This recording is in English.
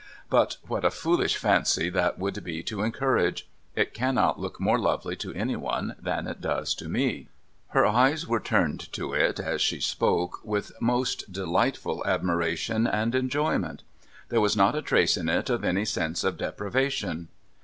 But what a foolish fancy that would be to encourage ! It cannot look more lovely to any one than it does to me.' 428 MUGBY JUNCTION Her eyes were turned to it, as she spoke, \Yith most delighted admiration and enjoyment. There was not a trace in it of any sense of deprivation.